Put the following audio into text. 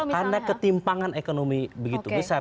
karena ketimpangan ekonomi begitu besar